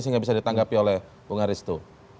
sehingga bisa ditanggapi oleh bung haristu